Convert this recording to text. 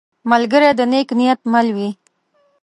ملګری د نیک نیت مل وي